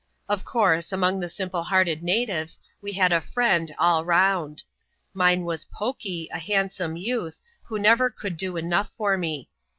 Of course, among the simple hearted natives, we had a friend all round. Mine was Poky, a handsome youth, who never cotdd do enough for me.